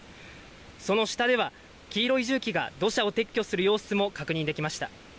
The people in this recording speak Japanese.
その下では黄色い重機が土砂を撤去する様子も確認できました。